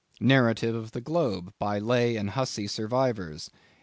—"Narrative of the Globe Mutiny," _by Lay and Hussey survivors.